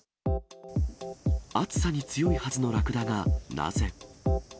暑さに強いはずのラクダがなぜ。